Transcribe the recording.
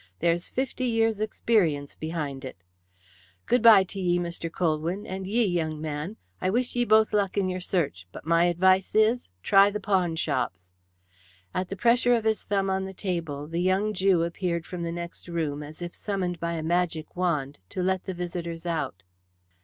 There's fifty years' experience behind it. Good bye to ye, Mr. Colwyn, and ye, young man. I wish ye both luck in your search, but my advice is, try the pawn shops." At the pressure of his thumb on the table the young Jew appeared from the next room, as if summoned by a magic wand, to let the visitors out.